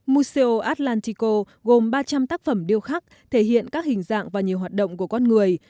mosco atlantico gồm ba trăm linh tác phẩm điêu khắc thể hiện các hình dạng và nhiều hoạt động của con người